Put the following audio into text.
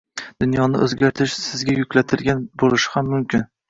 dunyoni o’zgartirish sizga yuklatilgan bo’lishi ham mumkin